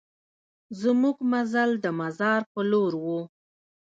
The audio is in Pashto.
زمونږ مزل د مزار په لور و.